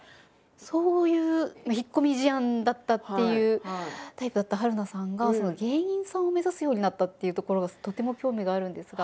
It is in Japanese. そういう引っ込み思案だったっていうタイプだった春菜さんが芸人さんを目指すようになったっていうところがとても興味があるんですが。